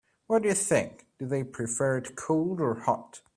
What do you think, do they prefer it cold or hot?